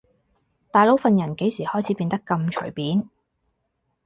大佬份人幾時開始變得咁隨便